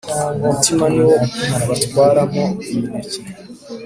umutiba niwo batwaramo imineke